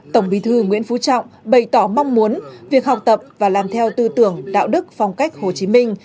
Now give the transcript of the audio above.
tổng bí thư nguyễn phú trọng bày tỏ mong muốn việc học tập và làm theo tư tưởng đạo đức phong cách hồ chí minh